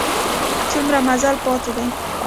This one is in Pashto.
څومره مزل پاته دی؟